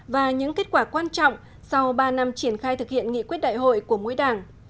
và những kết quả quan trọng sau ba năm triển khai thực hiện nghị quyết đại hội của mỗi đảng